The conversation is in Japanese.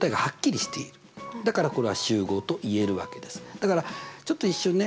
だからちょっと一瞬ね